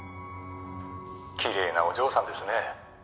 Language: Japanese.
きれいなお嬢さんですね。